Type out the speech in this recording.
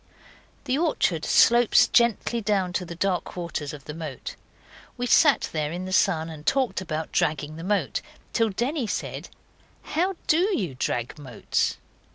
The orchard slopes gently down to the dark waters of the moat. We sat there in the sun and talked about dragging the moat, till Denny said, 'How DO you drag moats?